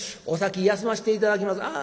「お先休まして頂きます」。